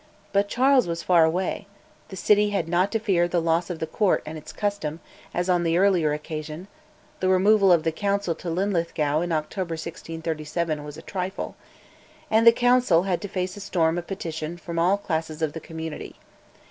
But Charles was far away; the city had not to fear the loss of the Court and its custom, as on the earlier occasion (the removal of the Council to Linlithgow in October 1637 was a trifle), and the Council had to face a storm of petitions from all classes of the community.